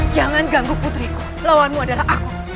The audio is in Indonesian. jangan ganggu putriku lawanmu adalah aku